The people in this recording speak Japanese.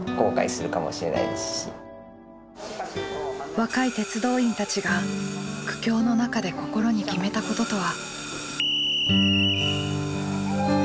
若い鉄道員たちが苦境の中で心に決めたこととは。